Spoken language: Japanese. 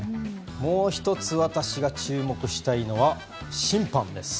もう１つ私が注目したいのは審判です。